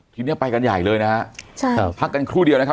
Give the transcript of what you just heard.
ทีนี้ไปกันใหญ่เลยนะฮะใช่ครับพักกันครู่เดียวนะครับ